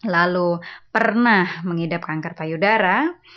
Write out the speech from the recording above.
lalu pernah mengidap kanker payudara